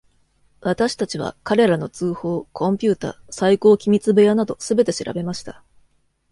私たちは彼らの通報、コンピュータ、最高機密部屋などすべて調べました。